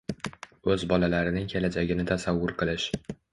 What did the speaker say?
o‘z bolalarining kelajagini tasavvur qilish